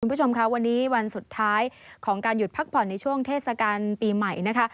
คุณผู้ชมค่ะวันนี้วันสุดท้ายของการหยุดพักผ่อนในช่วงเทศกาลปีใหม่นะคะ